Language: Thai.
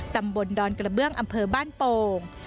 ตำบลดอนกระเบื้องอำเภอบ้านโป่ง